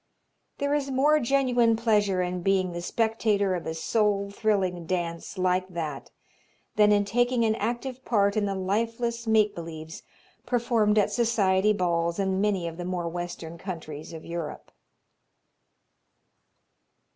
There is more genuine pleasure in being the spectator of a soul thrilling dance like that than in taking an active part in the lifeless make believes performed at society balls in many of the more Western countries of Europe.